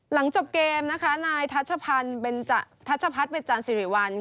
หลังจบเกมนะคะนายทัชพัฒน์เบ็ดจันทร์ศิริวัล